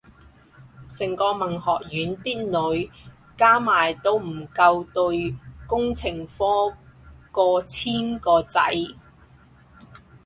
成個文學院啲女加埋都唔夠對工程科過千個仔